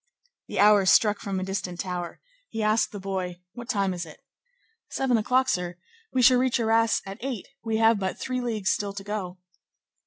The hour struck from a distant tower; he asked the boy:— "What time is it?" "Seven o'clock, sir; we shall reach Arras at eight; we have but three leagues still to go."